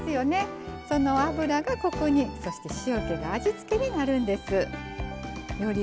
その脂がコクにそして塩気が味付けになるんです。